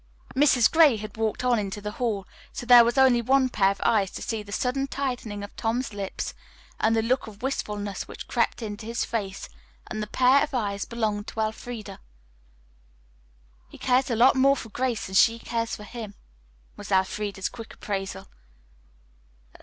Mrs. Gray had walked on into the hall, so there was only one pair of eyes to see the sudden tightening of Tom's lips and the look of wistfulness which crept into his face, and that pair of eyes belonged to Elfreda. "He cares a whole lot more for Grace than she cares for him," was Elfreda's quick appraisal.